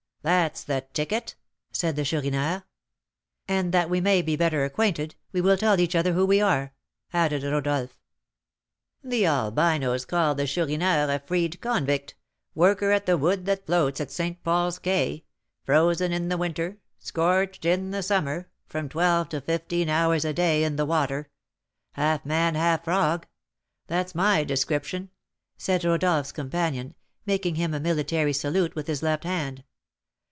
"That's the ticket!" said the Chourineur. "And, that we may be better acquainted, we will tell each other who we are," added Rodolph. "The Albinos called the Chourineur a freed convict, worker at the wood that floats at St. Paul's Quay; frozen in the winter, scorched in the summer, from twelve to fifteen hours a day in the water; half man, half frog; that's my description," said Rodolph's companion, making him a military salute with his left hand.